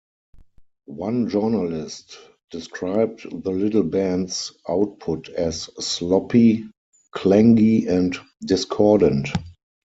One journalist described the little bands' output as sloppy, clangy and discordant.